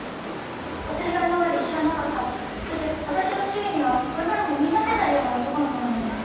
私が今まで知らなかったそして私の周囲にはこれからも見いだせないような男の子なのです。